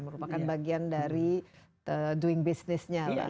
merupakan bagian dari doing business nya